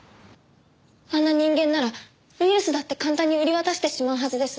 あんな人間ならウイルスだって簡単に売り渡してしまうはずです。